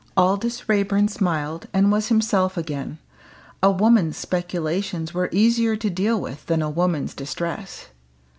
Aldous Raeburn smiled, and was himself again. A woman's speculations were easier to deal with than a woman's distress.